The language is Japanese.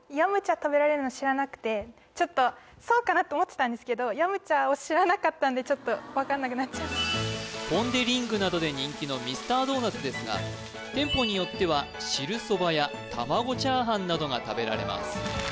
食べられるの知らなくてちょっとそうかなって思ってたんですけど飲茶を知らなかったんでちょっと分かんなくなっちゃいましたポン・デ・リングなどで人気のミスタードーナツですが店舗によっては汁そばやたまごチャーハンなどが食べられます